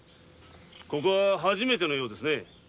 ここは始めてのようですね。